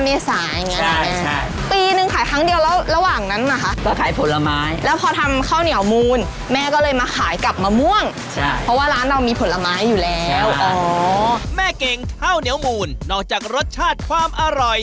ไม่มีหน้ามะม่วงถึงขาย